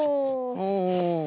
うん。